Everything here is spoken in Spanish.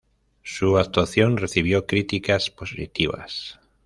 Su actuación recibió críticas positivas.